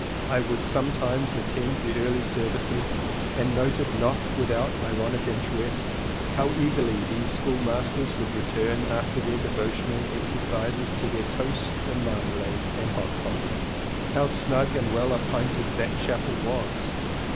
I would sometimes attend the early services and noted not without ironic interest how eagerly these schoolmasters would return after their devotional exercises to their toast and marmalade and hot coffee. How snug and well appointed that chapel was!